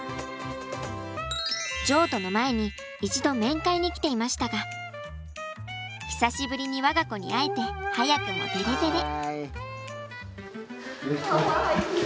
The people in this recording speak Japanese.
譲渡の前に一度面会に来ていましたが久しぶりに我が子に会えて早くもデレデレ。